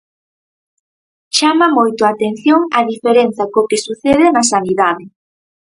Chama moito a atención a diferenza co que sucede na sanidade.